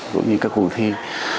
cũng như các cuộc thi